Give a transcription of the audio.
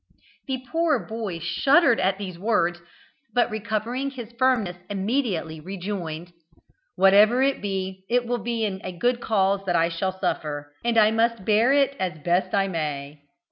The poor boy shuddered at these words; but, recovering his firmness immediately, rejoined: "Whatever it be, it will be in a good cause that I shall suffer, and I must bear it as best I may."